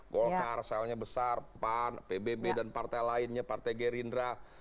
golkar soalnya besar pan pbb dan partai lainnya partai gerindra